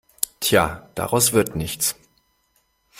Tja, daraus wird nichts.